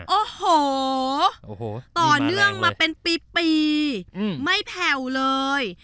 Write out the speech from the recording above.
โอ้โหต่อเนื่องมาเป็นปีไม่แผ่วเลย